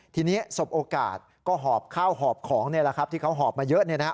ทีนี้สบโอกาสก็หอบข้าวหอบของนี่แหละครับที่เขาหอบมาเยอะ